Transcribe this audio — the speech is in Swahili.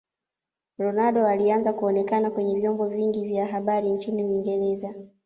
Ronaldo aliaanza kuonekana kwenye vyombo vingi vya habari nchini uingereza